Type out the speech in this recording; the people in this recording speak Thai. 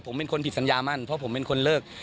ผมเป็นคนผิดสัญญามั่นเพราะผมเป็นคนเลิก